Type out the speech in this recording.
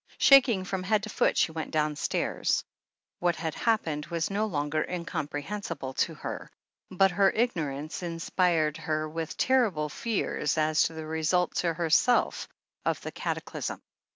Shaking from head to foot, she went downstairs. What had happened was no longer incomprehensible to her, but her ignorance inspired her with terrible fears as to the results to herself of the cataclysm.